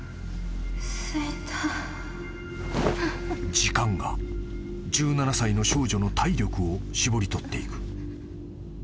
［時間が１７歳の少女の体力を絞り取っていく］